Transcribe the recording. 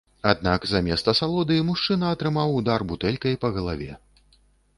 Аднак замест асалоды мужчына атрымаў удар бутэлькай па галаве.